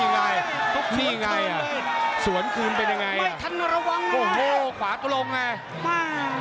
นี่ไงนี่ไงอะ